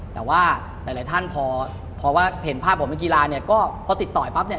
แต่ว่าหลายท่านพอว่าเห็นภาพของนักกีฬาเนี่ยก็พอติดต่อปั๊บเนี่ย